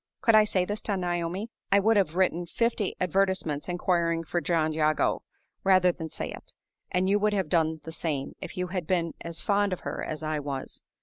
Could I say this to Naomi? I would have written fifty advertisements inquiring for John Jago rather than say it; and you would have done the same, if you had been as fond of her as I was.